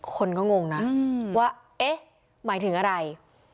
คนก็งงนะว่าเอ๊ะหมายถึงอะไร